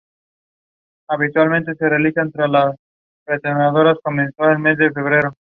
Es muy constructivo y, dentro de los límites del psytrance, bastante "hard".